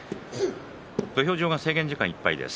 土俵上、制限時間いっぱいです。